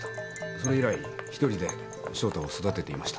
それ以来一人で翔太を育てていました。